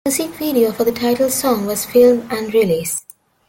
A music video for the title song was filmed and released.